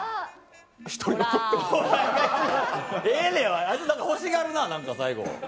ええねん、あいつ欲しがるな、最後。